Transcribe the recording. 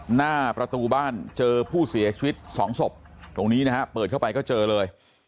หน้าประตูบ้านเจอผู้เสียชีวิตสองศพตรงนี้นะฮะเปิดเข้าไปก็เจอเลย